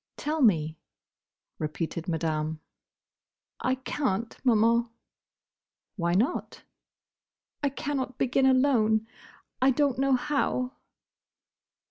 "Tell me," repeated Madame. "I can't, Maman." "Why not?" "I cannot begin alone: I don't know how."